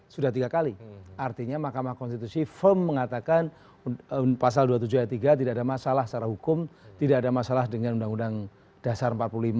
sudah tiga kali artinya mahkamah konstitusi firm mengatakan pasal dua puluh tujuh ayat tiga tidak ada masalah secara hukum tidak ada masalah dengan undang undang dasar empat puluh lima